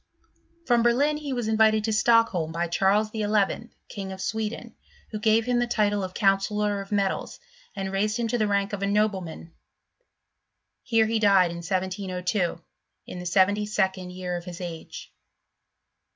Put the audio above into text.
From Berlin he was invited to Stockholm by Charles XI., King of Sweden, who gave him the title of counsellor of metals; and raised him to the rank of a nobleman : here he died, in 1702, in the seventy second year of his age.